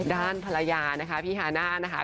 ด้านภรรยานะคะพี่ฮาน่านะคะ